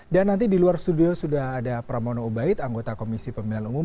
dan nanti di luar studio sudah ada pramono obaid anggota komisi pemilihan umum